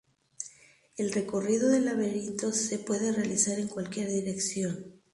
El recorrido del laberinto se puede realizar en cualquier dirección.